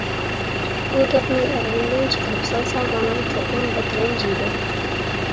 بۇ گەپنى ئېغىزىمدىن چىقىرىپ سالسام ئانام چوقۇم بەك رەنجىيدۇ.